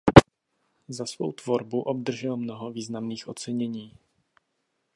Za svou tvorbu obdržel mnoho významných ocenění.